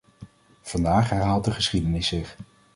Vandaag herhaalt de geschiedenis zich.